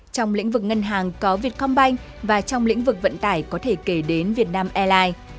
trong lĩnh vực ngân hàng có vietcombank và trong lĩnh vực vận tải có thể kể đến vietnam airlines